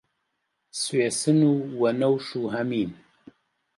سوێسن و وەنەوش و هەمین